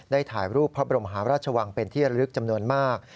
ถ่ายรูปพระบรมหาราชวังเป็นที่ระลึกจำนวนมาก